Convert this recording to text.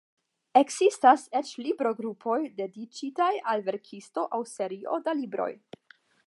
Ekzistas eĉ librogrupoj dediĉitaj al verkisto aŭ serio da libroj.